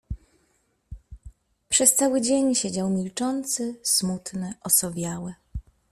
Przez cały dzień siedział milczący, smutny, osowiały.